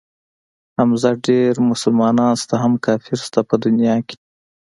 حمزه ډېر مسلمانان شته هم کافر شته په دنيا کښې.